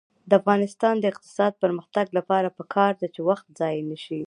د افغانستان د اقتصادي پرمختګ لپاره پکار ده چې وخت ضایع نشي.